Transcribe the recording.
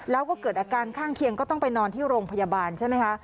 แล้วก็เกิดอาการข้างเคียงก็ต้องไปนอนที่โรงพยาบาลใช่ไหมคะ